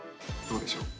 どうでしょう。